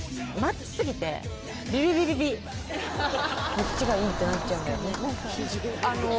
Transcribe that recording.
こっちがいいって思っちゃうんだよね。